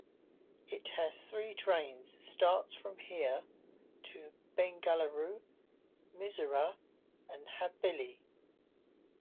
It has three trains starts from here to Bengaluru, Mysuru and Hubballi.